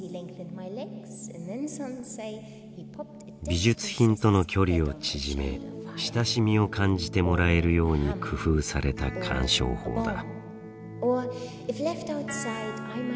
美術品との距離を縮め親しみを感じてもらえるように工夫された鑑賞法だ。